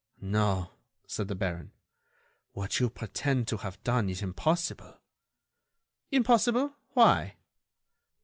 "No," said the baron; "what you pretend to have done is impossible." "Impossible—why?"